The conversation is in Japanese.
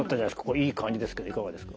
これいい感じですけどいかがですか？